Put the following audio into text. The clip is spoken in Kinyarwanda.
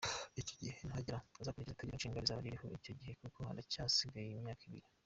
Icyo gihe nihagera, azakurikiza Itegeko Nshinga rizaba ririho, icyo gihe kuko haracyasigaye imyaka ibiri.